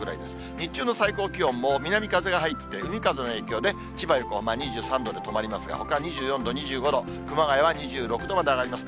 日中の最高気温も南風が入って、海風の影響で、千葉、横浜２３度で止まりますが、ほか２４度、２５度、熊谷は２６度まで上がります。